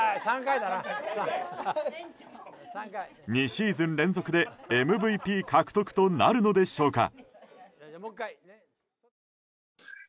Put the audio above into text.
２シーズン連続でＭＶＰ獲得となるのでしょうか。